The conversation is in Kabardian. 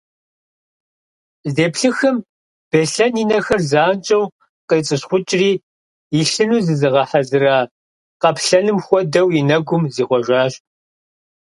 Здеплъыхым Беслъэн и нэхэр занщӏэу къицӏыщхъукӏри, илъыну зызыгъэхьэзыра къаплъэным хуэдэу, и нэгум зихъуэжащ.